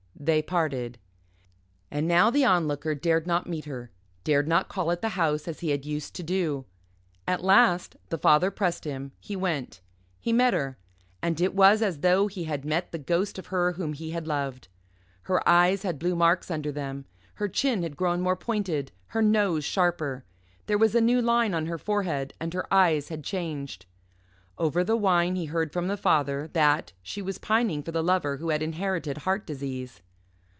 They parted. And now the Onlooker dared not meet her dared not call at the house as he had used to do. At last the father pressed him he went. He met her. And it was as though he had met the ghost of her whom he had loved. Her eyes had blue marks under them, her chin had grown more pointed, her nose sharper. There was a new line on her forehead, and her eyes had changed. Over the wine he heard from the father that she was pining for the Lover who had inherited heart disease.